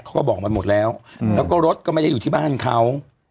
เขาก็บอกมันหมดแล้วแล้วก็รถก็ไม่ได้อยู่ที่บ้านเขา